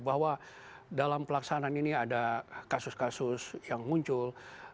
bahwa dalam pelaksanaan ini ada kasus kasus yang muncul